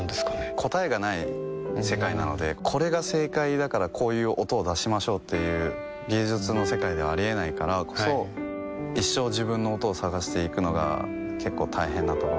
答えがない世界なのでこれが正解だからこういう音を出しましょうという芸術の世界ではありえないからこそはい一生自分の音を探していくのが結構大変なところ